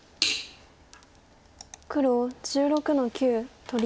黒１６の九取り。